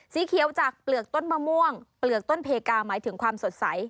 สีเขียวจากเปลือกต้นมะม่วงเปลือกต้นเพกาหมายถึงความสดใส